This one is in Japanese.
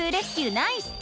ナイス！